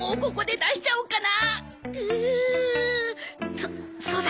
そそうだ。